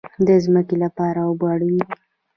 د ځمکې لپاره اوبه اړین دي